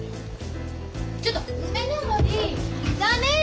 ちょっと梅ノ森駄目よ